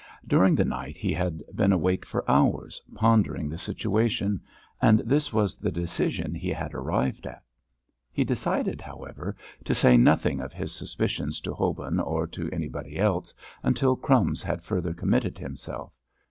During the night he had been awake for hours pondering the situation, and this was the decision he had arrived at. He decided, however, to say nothing of his suspicions to Hobin or to anyone else until "Crumbs" had further committed himself.